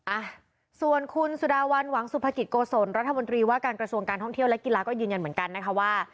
อ่ะส่วนคุณสุดาวันหวังสุภกิจโกศลรัฐมนตรีว่าการกระทรวงการท่องเที่ยวและกีฬาก็ยืนยันเหมือนกันนะคะว่า